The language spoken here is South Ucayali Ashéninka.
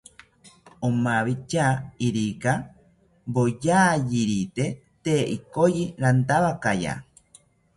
omawitya irika woyayirite, tee ikoyi rantawakaya